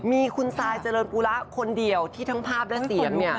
มีคุณซายเจริญปุระคนเดียวที่ทั้งภาพและเสียงเนี่ย